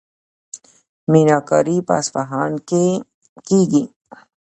میناکاري په اصفهان کې کیږي.